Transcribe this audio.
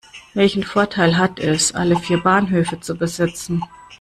Welchen Vorteil hat es, alle vier Bahnhöfe zu besitzen?